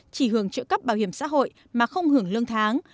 chỉ hưởng trợ cấp bảo hiểm xã hội mà không hưởng lương tháng